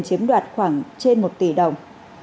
chiếm đoạt khoảng trên một tỷ đồng